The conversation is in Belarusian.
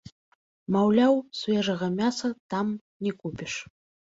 Маўляў, свежага мяса там не купіш.